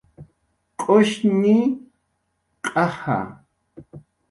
Q'ushñi, q'aja